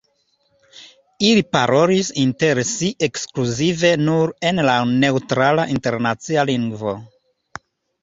Ili parolis inter si ekskluzive nur en la neŭtrala internacia lingvo.